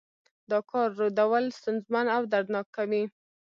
دا کار رودل ستونزمن او دردناک کوي.